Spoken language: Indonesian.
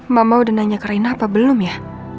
mama udah nanya ke rina apa belum ya